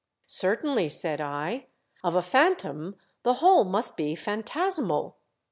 " Certainly !" said I. " Of a Phantom the whole must be phantasmal.